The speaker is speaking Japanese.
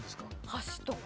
橋とか？